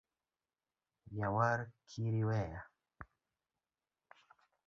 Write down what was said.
Jawar kiri weya